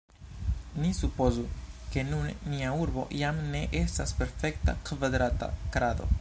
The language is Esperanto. Ni supozu, ke nun nia urbo jam ne estas perfekta kvadrata krado.